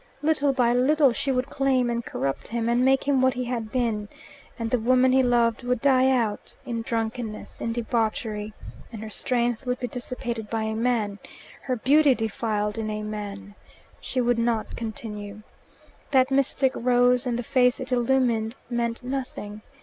Little by little she would claim him and corrupt him and make him what he had been; and the woman he loved would die out, in drunkenness, in debauchery, and her strength would be dissipated by a man, her beauty defiled in a man. She would not continue. That mystic rose and the face it illumined meant nothing.